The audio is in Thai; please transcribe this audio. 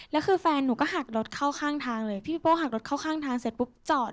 แล้วคือแฟนหนูก็หักรถเข้าข้างทางเลยพี่โป้หักรถเข้าข้างทางเสร็จปุ๊บจอด